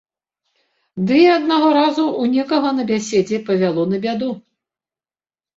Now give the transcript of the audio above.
Ды аднаго разу ў некага на бяседзе павяло на бяду.